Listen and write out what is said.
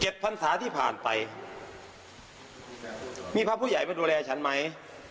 พันศาที่ผ่านไปมีพระผู้ใหญ่ไปดูแลฉันไหม